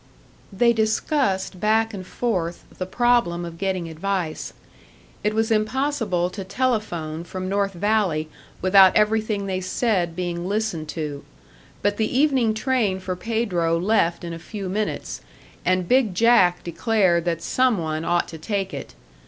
They discussed back and forth the problem of getting advice. It was impossible to telephone from North Valley without everything they said being listened to; but the evening train for Pedro left in a few minutes, and "Big Jack" declared that some one ought to take it.